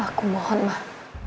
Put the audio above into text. aku mohon mah